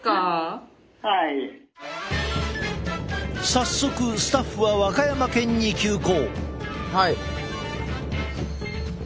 早速スタッフは和歌山県に急行！